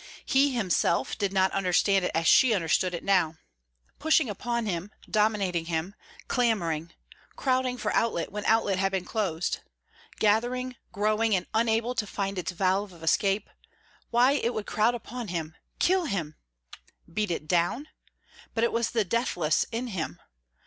He himself did not understand it as she understood it now. Pushing upon him dominating him clamouring crowding for outlet when outlet had been closed gathering, growing, and unable to find its valve of escape why it would crowd upon him kill him! Beat it down? But it was the deathless in him.